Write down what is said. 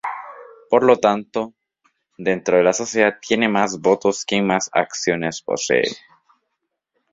Por lo tanto, dentro de la sociedad tiene más votos quien más acciones posee.